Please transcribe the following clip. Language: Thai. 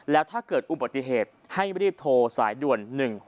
แล้วถ้าเกิดอุบัติเหตุให้รีบโทรสายด่วน๑๖๖